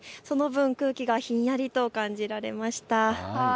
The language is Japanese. その分、空気がひんやりと感じられました。